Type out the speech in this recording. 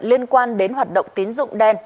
liên quan đến hoạt động tín dụng đen